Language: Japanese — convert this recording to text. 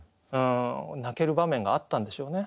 泣ける場面があったんでしょうね。